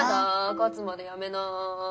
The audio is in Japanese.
勝つまでやめない。